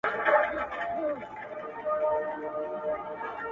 ړوند د خدايه څه غواړي، دوې سترگي.